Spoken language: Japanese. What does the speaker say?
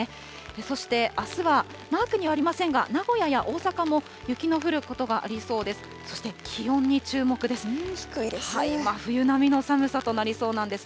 そしてあすは、マークにはありませんが、名古屋や大阪も雪の降ることがありそうです。